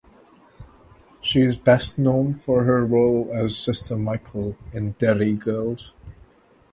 She is best known for her role as Sister Michael in "Derry Girls".